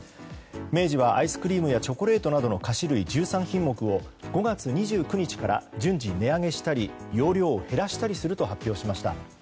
明治はアイスクリームやチョコレートなどの菓子類１３品目を５月２９日から順次値上げしたり容量を減らしたりすると発表しました。